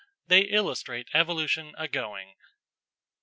They illustrate evolution agoing.